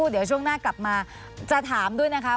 เดี๋ยวช่วงหน้ากลับมาจะถามด้วยนะคะ